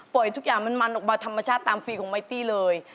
ทุกอย่างมันมันออกมาธรรมชาติตามฟรีของไมตี้เลย